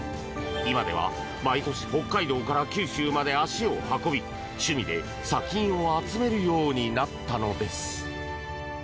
今では毎年北海道から九州まで足を運び趣味で砂金を集めるようになったのです。